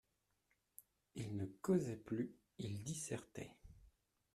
Il ne causait plus, il dissertait.